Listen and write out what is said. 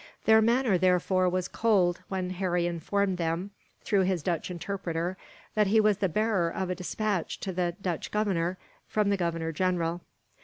Their manner, therefore, was cold when Harry informed them, through his Dutch interpreter, that he was the bearer of a despatch to the Dutch Governor from the Governor General.